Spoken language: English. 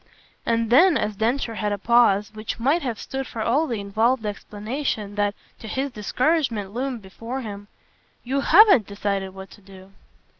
And then as Densher had a pause which might have stood for all the involved explanation that, to his discouragement, loomed before him: "You HAVEN'T decided what to do."